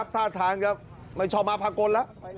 ถ้าทางไม่ชอบมาภากลแล้ว